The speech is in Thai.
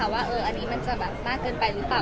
ว่าอันนี้มันจะแบบมากเกินไปหรือเปล่า